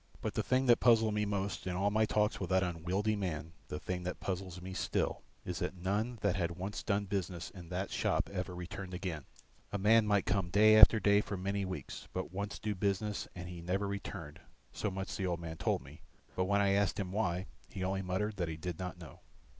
But the thing that puzzled me most in all my talks with that unwieldy man, the thing that puzzles me still, is that none that had once done business in that shop ever returned again; a man might come day after day for many weeks, but once do business and he never returned; so much the old man told me, but when I asked him why, he only muttered that he did not know.